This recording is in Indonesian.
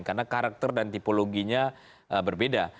karena karakter dan tipologinya berbeda